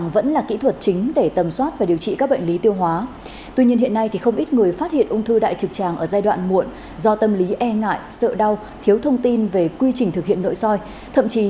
vâng thưa bác sĩ hiện nay không ít người phát hiện ung thư đại trực tràng ở giai đoạn muộn do tâm lý e ngại sợ đau thiếu thông tin về quy trình thực hiện nội soi